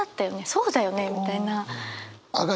そうだよねみたいな。